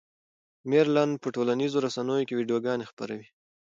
مېرلن په ټولنیزو رسنیو کې ویډیوګانې خپروي.